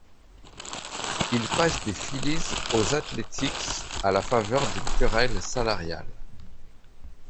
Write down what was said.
Il passe des Phillies aux Athletics à la faveur d'une querelle salariale.